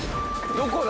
どこだ？